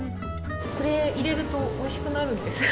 これ入れると美味しくなるんですよ